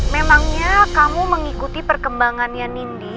memangnya kamu mengikuti perkembangannya nindi